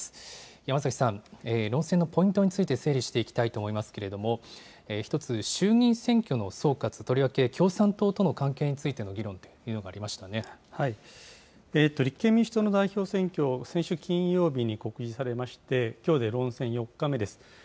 山崎さん、論戦のポイントについて整理していきたいと思いますけれども、一つ、衆議院選挙の総括、とりわけ共産党との関係について立憲民主党の代表選挙、先週金曜日に告示されて、きょうで論戦４日目です。